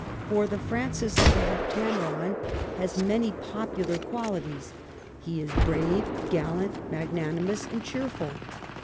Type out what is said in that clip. For the Francis of the '' Heptameron " has THE ''HEPTAMERONr 247 many popular qualities; he is brave, gallant, magnanimous, and cheerful.